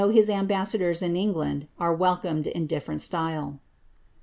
imbassadorB in En^and are wdcomed in diflerent style.''